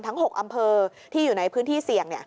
ทั้ง๖อำเภอที่อยู่ในพื้นที่เสี่ยง